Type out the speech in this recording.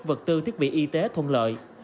vật tư thiết bị y tế thuận lợi